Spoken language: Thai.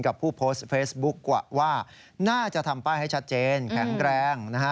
ผู้โพสต์เฟซบุ๊คกะว่าน่าจะทำป้ายให้ชัดเจนแข็งแรงนะฮะ